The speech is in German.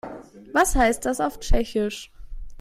Was heißt das auf Tschechisch?